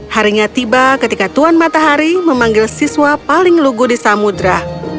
harinya tiba ketika tuhan matahari memanggil siswa paling lugu di samudera